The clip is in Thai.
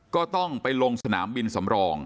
ก็ต้องไปลงสนามบินสำรอง